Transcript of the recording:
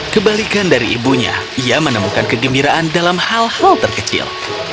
kebalikan dari ibunya ia menemukan kegembiraan dalam hal hal terkecil